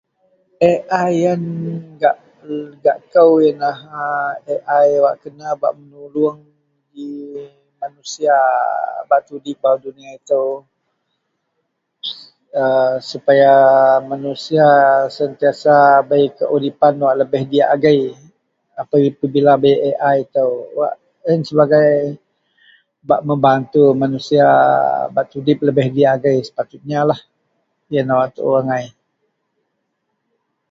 AI iyen gak kou iyenlah AI wak kena bak menulong ji manusia bak tudip baau duniya ito.....aaa..... Supaya manusia sentiasa bei keudipan wak lebeh diyak agei apabila bei AI ito wak iyen sebagai bak membatu manusia bak tudip lebih diyak agei sepatunyalah Iyen wak tuo angai.